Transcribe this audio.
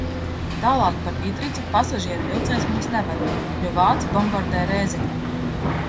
Tālāk par Idricu pasažieru vilciens mūs neved, jo vāci bombardē Rēzekni.